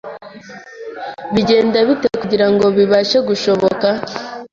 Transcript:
Bigende bite kugirango bibashe gushoboka